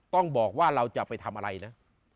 ต้องบอกว่าเราจะไปทำอะไรนะ